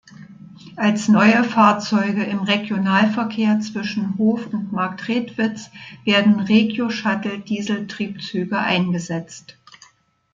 Als neue Fahrzeuge im Regionalverkehr zwischen Hof und Marktredwitz werden Regioshuttle-Dieseltriebzüge eingesetzt.